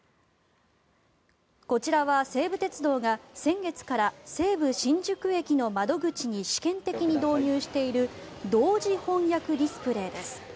こちらは西武鉄道が先月から西武新宿駅の窓口に試験的に導入している同時翻訳ディスプレーです。